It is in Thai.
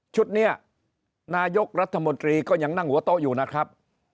ชุดนี้นายกรัฐมนตรีก็ยังนั่งหัวโต๊ะอยู่นะครับ